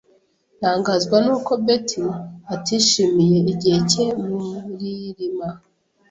Ntangazwa nuko Beth atishimiye igihe cye muririma.